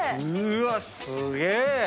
うわっすげえ！